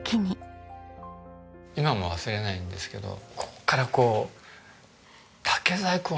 今も忘れないんですけどここからこう。